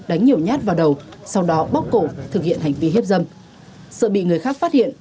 đánh nhiều nhát vào đầu sau đó bóc cổ thực hiện hành vi hiếp dâm sợ bị người khác phát hiện